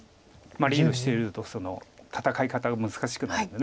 リードしてると戦い方が難しくなるんで。